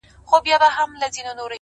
ځيني يې درد بولي ډېر,